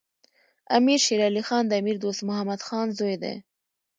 امیر شیر علی خان د امیر دوست محمد خان زوی دی.